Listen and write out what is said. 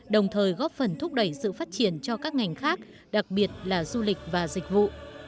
đồng thời góp phần thúc đẩy sự phát triển cho các ngành khác đặc biệt là du lịch và dịch vụ